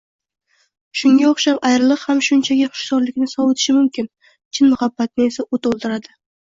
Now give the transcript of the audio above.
Shunga o’xshab, ayriliq ham shunchaki xushtorlikni sovitishi mumkin, chin muhabbatni esa o’t oldiradi.